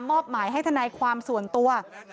อบหมายให้ทนายความส่วนตัว